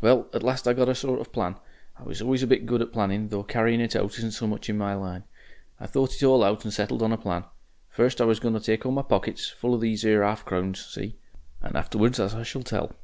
"Well, at last I got a sort of plan. I was always a bit good at planning, though carrying out isn't so much in my line. I thought it all out and settled on a plan. First, I was going to take all my pockets full of these 'ere 'arf crowns see? and afterwards as I shall tell.